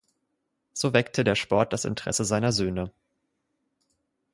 So weckte der Sport das Interesse seiner Söhne.